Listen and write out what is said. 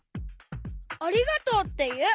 「ありがとう」っていう！